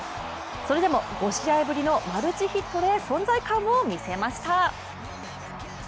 それでも５試合ぶりのマルチヒットで存在感を見せました。